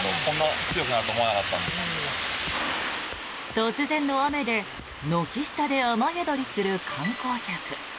突然の雨で軒下で雨宿りする観光客。